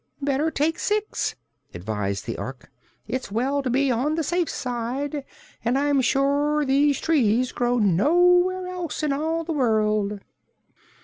"Better take six," advised the Ork. "It's well to be on the safe side, and I'm sure these trees grow nowhere else in all the world."